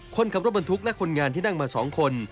คนขับรถบรรทุกและคนงานที่นั่งมา๒คน